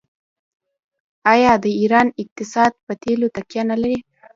آیا د ایران اقتصاد په تیلو تکیه نلري؟